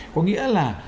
có nghĩa là